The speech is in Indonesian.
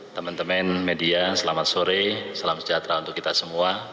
teman teman media selamat sore salam sejahtera untuk kita semua